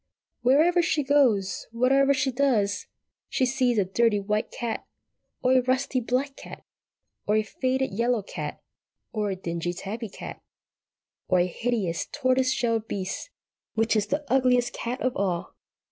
Wherever she goes, whatever she does, she sees a dirty white cat, or a rusty black cat, or a faded yellow cat, or a dingy tabby cat, or a hideous tortoise shell beast, which is the Ugliest Cat of all.